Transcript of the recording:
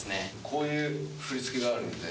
こういう振り付けがあるんで。